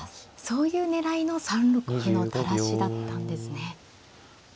そういう狙いの３六歩の垂らしだったんですね。